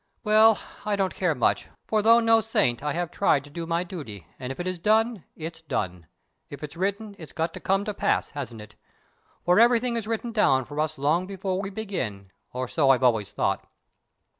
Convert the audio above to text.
Well, I don't care much, for, though no saint, I have tried to do my duty, and if it is done, it's done. If it's written, it's got to come to pass, hasn't it? For everything is written down for us long before we begin, or so I've always thought.